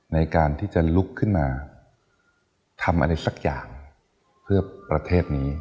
ในการที่จะลุกขึ้นมาทำอะไรสักอย่างเพื่อประเทศนี้